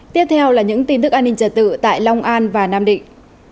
tiếp theo là những tin tức an ninh trật tự tại long an và nam định